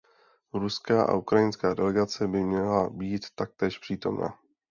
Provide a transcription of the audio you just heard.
Ruská a ukrajinská delegace by měla být taktéž přítomna.